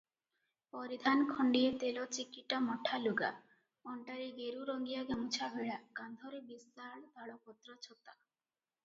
ପରିଧାନ ଖଣ୍ତିଏ ତେଲ ଚିକିଟା ମଠାଲୁଗା, ଅଣ୍ଟାରେ ଗେରୁରଙ୍ଗିଆ ଗାମୁଛାଭିଡ଼ା, କାନ୍ଧରେ ବିଶାଳ ତାଳପତ୍ର ଛତା ।